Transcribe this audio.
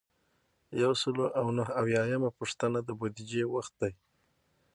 یو سل او نهه اویایمه پوښتنه د بودیجې وخت دی.